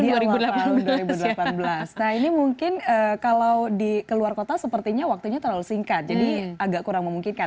nah ini mungkin kalau di keluar kota sepertinya waktunya terlalu singkat jadi agak kurang memungkinkan